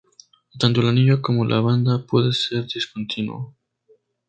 Tanto el anillo como la banda puede ser discontinuo.